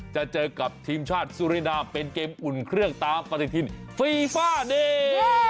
จะเจอกับทีมชาติสุรินาเป็นเกมอุ่นเครื่องตามปฏิทินฟีฟ่านี้